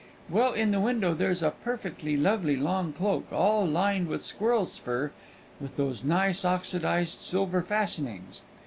Well, in the window there's a perfectly lovely long cloak, all lined with squirrel's fur, and with those nice oxidized silver fastenings.